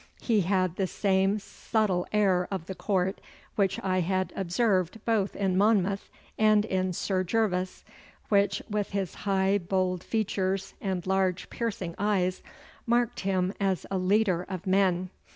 He had the same subtle air of the court which I had observed both in Monmouth and in Sir Gervas, which, with his high bold features and large piercing eyes, marked him as a leader of men.